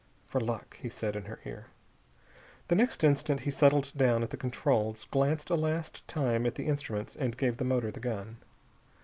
"For luck," he said in her ear. The next instant he settled down at the controls, glanced a last time at the instruments, and gave the motor the gun.